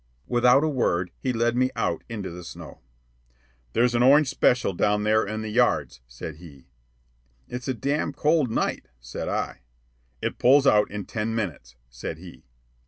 Without a word he led me out into the snow. "There's an orange special down there in the yards," said he. "It's a damn cold night," said I. "It pulls out in ten minutes," said he.